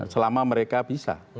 selama mereka bisa